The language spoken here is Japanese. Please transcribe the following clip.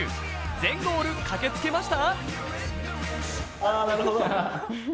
全ゴール駆けつけました？